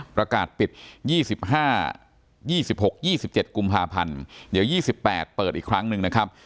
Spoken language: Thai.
ประกาศปิด๒๕๒๖๒๗กุมภาพันธ์เดี๋ยว๒๘เปิดอีกครั้งหนึ่งนะครับ